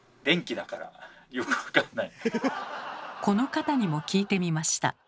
この方にも聞いてみました。